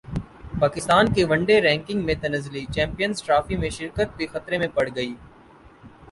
پاکستان کی one day ranking میں تنزلی چیمپئنز ٹرافی میں شرکت بھی خطرے میں پڑگئی